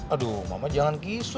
aduh mama jangan kisut